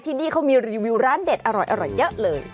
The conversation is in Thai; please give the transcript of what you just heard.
ที่นี่เขามีรีวิวร้านเด็ดอร่อยเยอะเลย